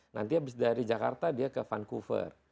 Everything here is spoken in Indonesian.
nanti abis dari jakarta dia ke vancouver